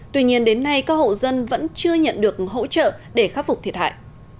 tuy nhiên đến nay các hộ dân vẫn chưa nhận được hỗ trợ để khắc phục thiệt hại